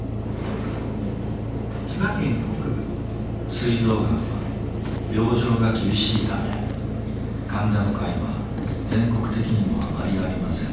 すい臓がんは病状が厳しいため患者の会は全国的にもあまりありません。